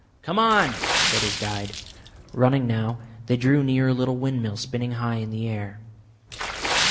"Come on!" said his guide. Running now, they drew near a little windmill spinning high in the air.